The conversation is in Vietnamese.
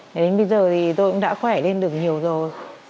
thế đến bây giờ thì tôi cũng đã khỏe lên được nhiều rồi